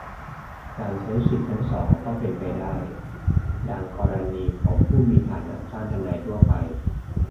การใช้สิทธิทั้งสองก็เป็นไปได้ - ดังกรณีของผู้มีฐานะจ้างทนายทั่วไป